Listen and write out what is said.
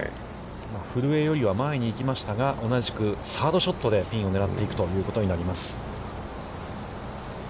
古江よりは前に行きましたが、同じくサードショットでピンを狙っていくということになります。